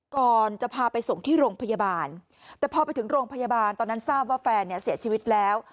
ก่อนจะพาไปส่งที่โรงพยาบาลแต่พอไปถึงโรงพยาบาลตอนนั้นทราบว่าแฟนเนี่ยเสียชีวิตแล้ว